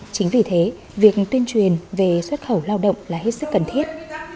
chính vì thế việc tuyên truyền về xuất khẩu lao động là hết sức cần thiết